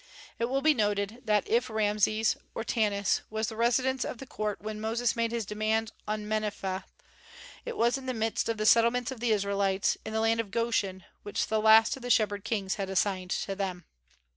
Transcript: It will be noted that if Rameses, or Tanis, was the residence of the court when Moses made his demands on Menephtah, it was in the midst of the settlements of the Israelites, in the land of Goshen, which the last of the Shepherd Kings had assigned to them.